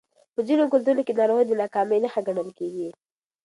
په ځینو کلتورونو کې ناروغي د ناکامۍ نښه ګڼل کېږي.